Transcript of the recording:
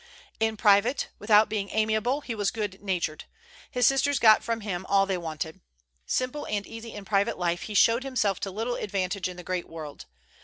In private, without being amiable, he was good natured. His sisters got from him all they wanted. Simple and easy in private life, he showed himself to little advantage in the great world.